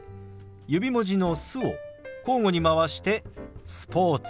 指文字の「す」を交互に回して「スポーツ」。